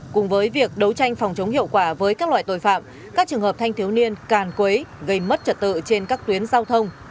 cùng với việc đấu tranh phòng chống hiệu quả với các loại tội phạm các trường hợp thanh thiếu niên càn quấy gây mất trật tự trên các tuyến giao thông